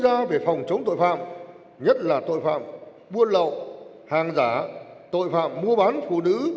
quốc gia về phòng chống tội phạm nhất là tội phạm buôn lậu hàng giả tội phạm mua bán phụ nữ